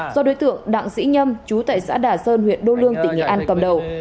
do đối tượng đặng sĩ nhâm chú tại xã đà sơn huyện đô lương tỉnh nghệ an cầm đầu